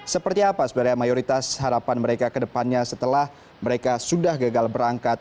seperti apa sebenarnya mayoritas harapan mereka ke depannya setelah mereka sudah gagal berangkat